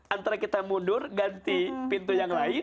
antara kita mundur ganti pintu yang lain